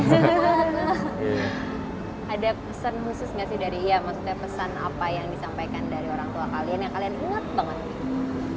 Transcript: ada pesan khusus gak sih dari ya maksudnya pesan apa yang disampaikan dari orangtua kalian yang kalian inget banget